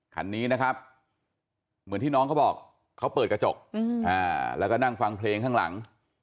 คันนี้นะครับเหมือนที่น้องเขาบอกเขาเปิดกระจกแล้วก็นั่งฟังเพลงข้างหลัง